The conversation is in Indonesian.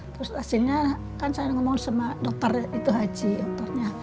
terus hasilnya kan saya ngomong sama dokter itu haji dokternya